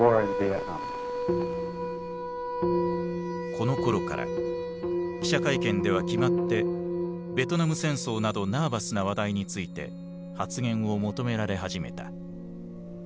このころから記者会見では決まってベトナム戦争などナーバスな話題について発言を求められ始めた。